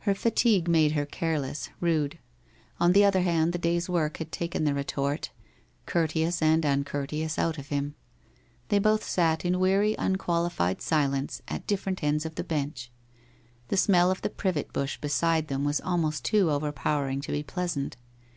Her fatigue made her careless, rude. On the other hand the day's work had taken the retort, courteous and uncourteous, out of him. They both sat in weary unquali fied silence at different ends of the bench. The smell of the privet bush beside them was almost too over powering to be pleasant.